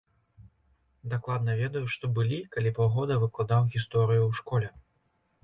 Дакладна ведаю, што былі, калі паўгода выкладаў гісторыю ў школе.